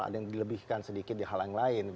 ada yang dilebihkan sedikit di hal yang lain